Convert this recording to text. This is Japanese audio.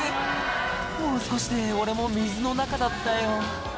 「もう少しで俺も水の中だったよ」